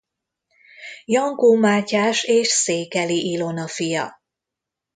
Jankó Mátyás és Székeli Ilona fia.